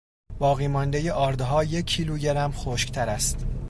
باقی ماندهٔ آردها یک کیلو گرم خشکتر است.